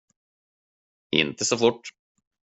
Inte så fort.